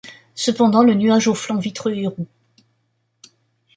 Cependant le nuage au flanc vitreux et roux